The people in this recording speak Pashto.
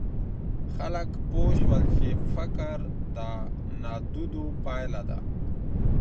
خلګ پوه سول چي فقر د نادودو پایله ده.